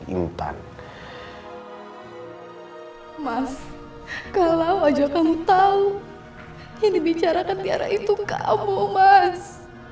minta mas kalau aja kamu tahu yang dibicarakan tiara itu kamu mas